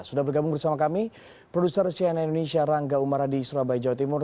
sudah bergabung bersama kami produser cnn indonesia rangga umara di surabaya jawa timur